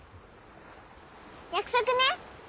約束ね！